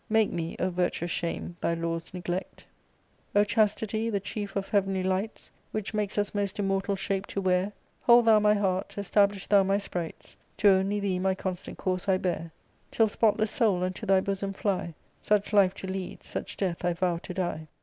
Make me, O virtuous shame, thy laws neglect O Chastity, the chief of heavenly lights, Which mak'st us most immortal shape to wear, Hold thou my heart, establish thou my sprites ; To only thee my constant course I bear. Till spotless soul unto thy bosom fly : Such life to lead, such death I vow to die."